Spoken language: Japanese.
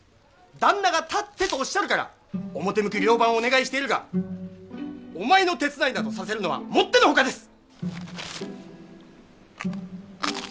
旦那が「たって」とおっしゃるから表向き寮番をお願いしているがお前の手伝いなどさせるのはもってのほかです！